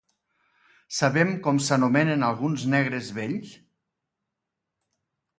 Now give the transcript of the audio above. Sabem com s'anomenen alguns Negres vells?